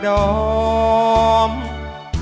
ขอบคุณครับ